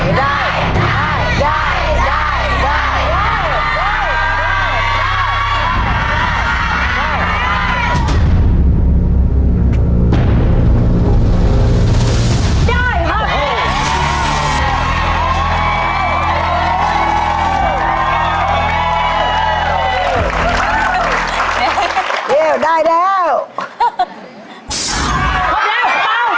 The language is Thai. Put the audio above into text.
ได้แล้วครบแล้วเปล่าเปล่า